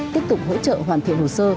tiếp tục hỗ trợ hoàn thiện hồ sơ